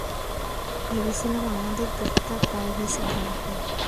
ভেবেছিলাম, আমাদের কিছুটা প্রাইভেসি থাকবে।